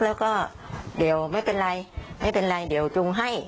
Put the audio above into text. แล้วก็เดี๋ยวไม่เป็นไรเดี๋ยวจุงให้